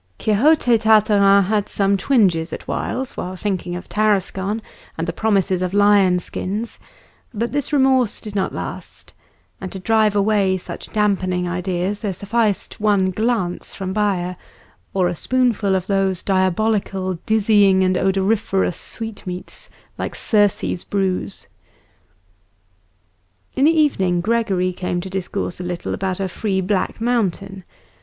Quixote Tartarin had some twinges at whiles on thinking of Tarascon and the promises of lion skins; but this remorse did not last, and to drive away such dampening ideas there sufficed one glance from Baya, or a spoonful of those diabolical dizzying and odoriferous sweetmeats like Circe's brews. In the evening Gregory came to discourse a little about a free Black Mountain.